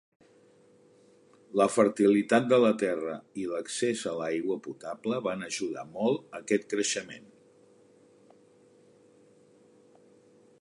La fertilitat de la terra i l'accés a l'aigua potable van ajudar molt aquest creixement.